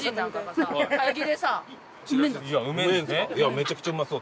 めちゃくちゃうまそう。